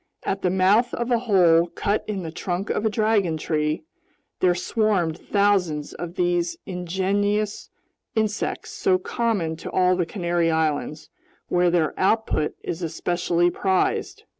At the mouth of a hole cut in the trunk of a dragon tree, there swarmed thousands of these ingenious insects so common to all the Canary Islands, where their output is especially prized.